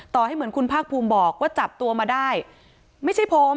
ให้เหมือนคุณภาคภูมิบอกว่าจับตัวมาได้ไม่ใช่ผม